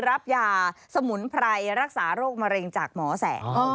รับยาสมุนไพรรักษาโรคมะเร็งจากหมอแสง